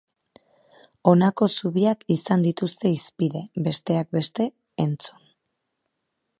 Honako zubiak izan dituzte hizpide, besteak beste, entzun!